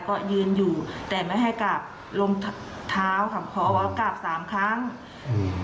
ก็ยืนอยู่แต่ไม่ให้กราบลงท้าวครับพออ้อกราบสามครั้งอืม